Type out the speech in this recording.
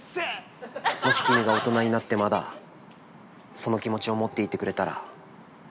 もし君が大人になってまだ、その気持ちを持っていてくれたら。